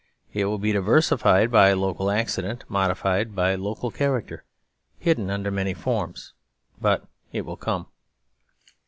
It will be diversi fied by local accident, modified by local character, hidden under many forms. But it will come.